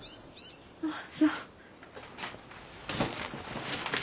あっそう。